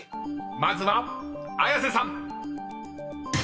［まずは綾瀬さん］